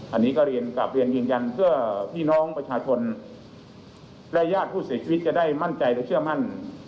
อันนี้ก็เรียนกลับเรียนยืนยันเพื่อพี่น้องประชาชนและญาติผู้เสียชีวิตจะได้มั่นใจและเชื่อมั่น